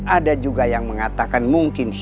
ada juga yang mengatakan mungkin